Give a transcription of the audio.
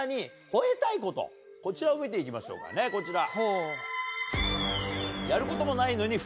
こちらを見て行きましょうかねこちら。